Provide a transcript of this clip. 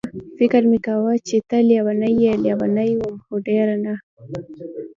فکر مې کاوه چې ته لېونۍ یې، لېونۍ وم خو ډېره نه.